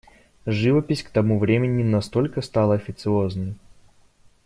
Живопись к тому времени настолько стала официозной.